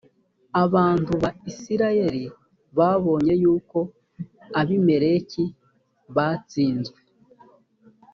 abantu ba isirayeli babonye yuko abimeleki batsinzwe